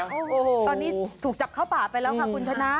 โอ้โหตอนนี้ถูกจับเข้าป่าไปแล้วค่ะคุณชนะ